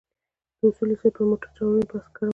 د اصولي صیب پر موټرچلونې بحث ګرم کړ.